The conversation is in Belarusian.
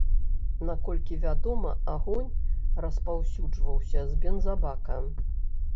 Наколькі вядома, агонь распаўсюджваўся з бензабака.